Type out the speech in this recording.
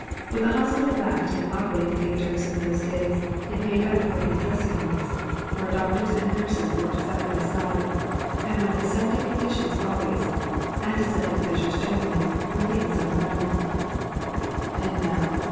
What the hospital lacked in operating theatres in those days it made up for in "dressing rooms," where doctors and nurses worked side by side, and when aseptic conditions always, antiseptic measures generally, were things unknown. And now?